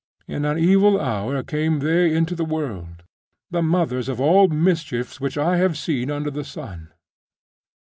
In an evil hour came they into the world, the mothers of all mischiefs which I have seen under the sun.